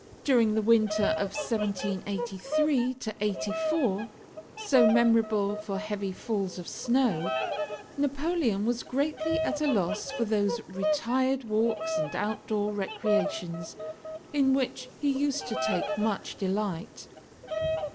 During the winter of 1783 84, so memorable for heavy falls of snow, Napoleon was greatly at a loss for those retired walks and outdoor recreations in which he used to take much delight.